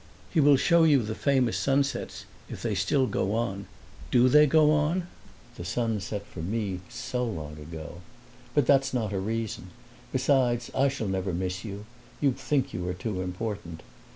He will show you the famous sunsets, if they still go on DO they go on? The sun set for me so long ago. But that's not a reason. Besides, I shall never miss you; you think you are too important.